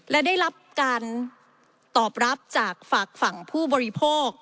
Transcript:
และได้รับการตอบรับจากฝากฝั่งผู้บริโภค